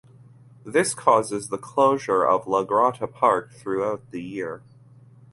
This causes the closure of La Grotta Park throughout the year.